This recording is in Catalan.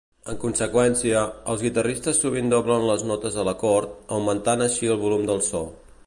En conseqüència, els guitarristes sovint doblen les notes a l'acord, augmentant així el volum del so.